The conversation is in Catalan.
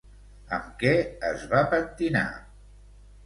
Amb què es va pentinar?